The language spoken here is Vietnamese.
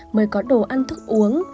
mới có đồ ăn thức uống